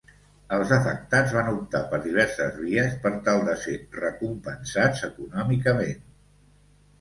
Els afectats van optar per diverses vies per tal de ser recompensats econòmicament.